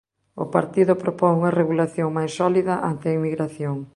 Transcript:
O partido propón unha regulación máis sólida ante a inmigración.